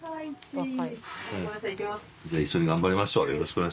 一緒に頑張りましょう。